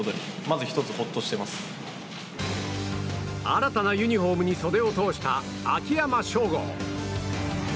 新たなユニホームに袖を通した秋山翔吾。